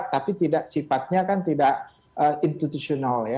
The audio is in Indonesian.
tapi sifatnya kan tidak institusional ya